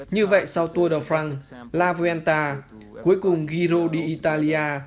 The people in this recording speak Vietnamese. như vậy sau tour de france la fuente cuối cùng giro di italia